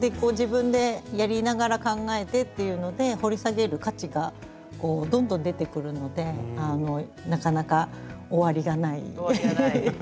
自分でやりながら考えてっていうので掘り下げる価値がどんどん出てくるのでなかなか終わりがないフフフ。